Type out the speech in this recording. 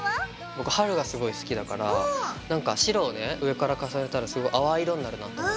僕春がすごい好きだからなんか白をね上から重ねたらすごい淡い色になるかなと思って。